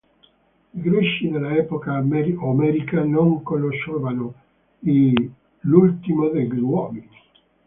I greci dell'epoca omerica non conoscevano l'"ultimo degli uomini"!